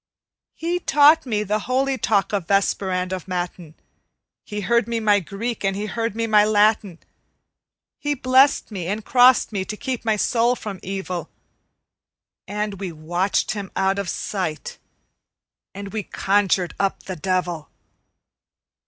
He taught me the holy talk of Vesper and of Matin, He heard me my Greek and he heard me my Latin, He blessed me and crossed me to keep my soul from evil, And we watched him out of sight, and we conjured up the devil!